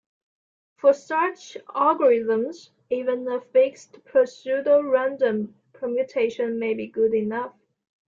For such algorithms, even a fixed pseudo-random permutation may be good enough.